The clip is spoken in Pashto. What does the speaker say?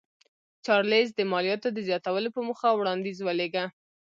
چارلېز د مالیاتو د زیاتولو په موخه وړاندیز ولېږه.